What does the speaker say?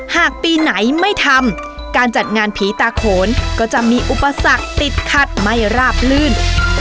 หากปีไหนไม่ทำการจัดงานผีตาโขนก็จะมีอุปสรรคติดขัดไม่ราบลื่น